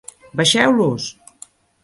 Baixeu-los!".